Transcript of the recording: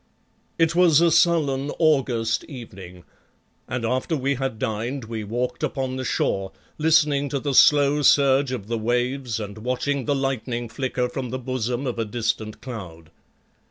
It was a sullen August evening, and after we had dined we walked upon the shore, listening to the slow surge of the waves and watching the lightning flicker from the bosom of a distant cloud.